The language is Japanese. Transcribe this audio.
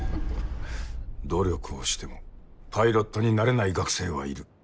努力をしてもパイロットになれない学生はいる。